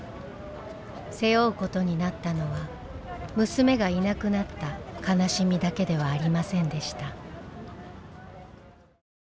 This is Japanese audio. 背負うことになったのは娘がいなくなった悲しみだけではありませんでした。